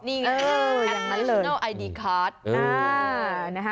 นี่ค่ะแบบนั้นเลย